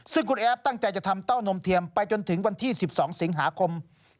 ซึ่งคุณแอฟตั้งใจจะทำเต้านมเทียมไปจนถึงวันที่๑๒สิงหาคม